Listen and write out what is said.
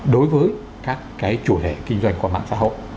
đối với các cái chủ thể kinh doanh qua mạng xã hội